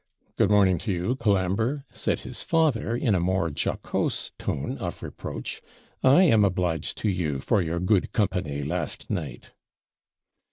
'Good morning to you, Colambre,' said his father, in a more jocose tone of reproach; 'I am obliged to you for your good company last night.'